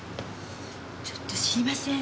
ちょっと知りません。